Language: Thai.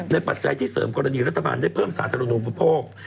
ปัจจัยที่เสริมกรณีรัฐบาลได้เพิ่มสาธารณูปโภค